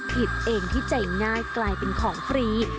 ผิดเองที่ใจง่ายกลายเป็นของฟรี